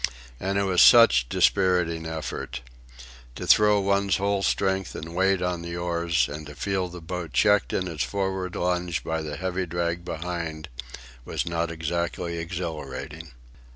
And it was such dispiriting effort. To throw one's whole strength and weight on the oars and to feel the boat checked in its forward lunge by the heavy drag behind, was not exactly exhilarating.